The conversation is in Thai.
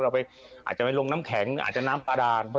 ว่าไปลงแหนงหรือน้ำปะดาน